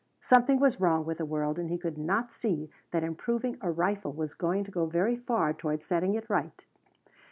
Something was wrong with the world and he could not see that improving a rifle was going to go very far toward setting it right.